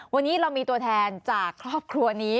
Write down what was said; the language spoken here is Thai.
วันนี้เรามีตัวแทนจากครอบครัวนี้